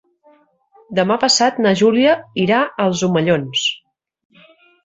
Demà passat na Júlia irà als Omellons.